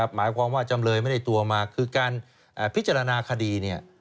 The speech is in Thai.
หมายความว่าจำเลยไม่ได้ตัวมาคือการพิจารณาคดี